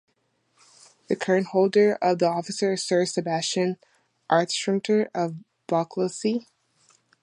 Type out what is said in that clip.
The current holder of the office is Sir Sebastian Anstruther of Balcluskie.